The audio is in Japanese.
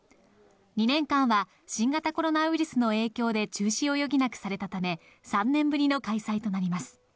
２年間は新型コロナウイルスの影響で中止を余儀なくされたため、３年ぶりの開催となります。